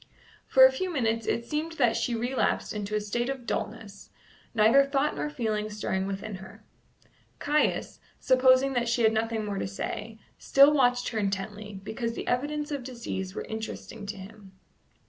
For a few minutes it seemed that she relapsed into a state of dulness, neither thought nor feeling stirring within her. Caius, supposing that she had nothing more to say, still watched her intently, because the evidences of disease were interesting to him.